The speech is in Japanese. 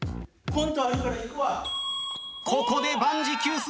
ここで万事休す！